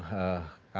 terus ada pengawasan